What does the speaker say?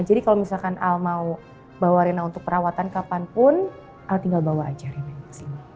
jadi kalau misalkan al mau bawa reina untuk perawatan kapanpun al tinggal bawa aja reina